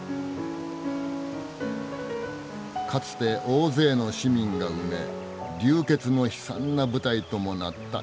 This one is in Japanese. かつて大勢の市民が埋め流血の悲惨な舞台ともなった広場。